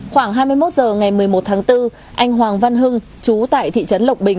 khoảng hai mươi một h ngày một mươi một tháng bốn anh hoàng văn hưng chú tại thị trấn lộc bình